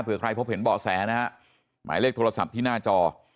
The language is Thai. เพื่อใครพบเห็นเบาะแสนะฮะหมายเลขโทรศัพท์ที่หน้าจอ